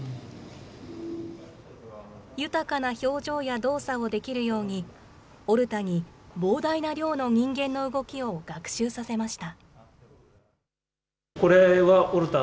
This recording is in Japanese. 豊かな表情や動作をできるように、オルタに膨大な量の人間の動きを学習させました。